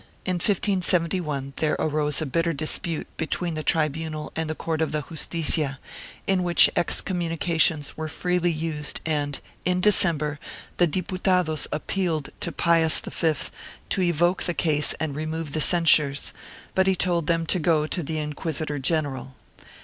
In 1571 there arose a bitter dispute between the tribunal and the court of the Justicia, in which excommunications were freely used and, in December, the Diputados appealed to Pius V to evoke the case and remove the censures, but he told them to go to the inquisitor general.